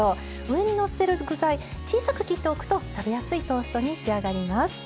上にのせる具材小さく切っておくと食べやすいトーストに仕上がります。